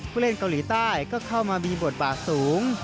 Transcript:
ผู้เล่นเกาหลีใต้ก็เข้ามามีบทบาทสูง